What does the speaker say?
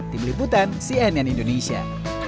di beliputan cnn indonesia